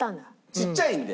ちっちゃいんで。